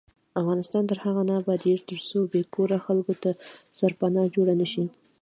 افغانستان تر هغو نه ابادیږي، ترڅو بې کوره خلکو ته سرپناه جوړه نشي.